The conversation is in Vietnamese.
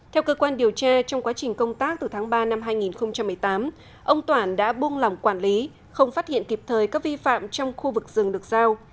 theo cơ quan điều tra trong quá trình công tác từ tháng ba năm hai nghìn một mươi tám ông toản đã buông lòng quản lý không phát hiện kịp thời các vi phạm trong khu vực rừng được giao